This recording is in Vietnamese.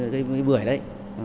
cây bưởi đấy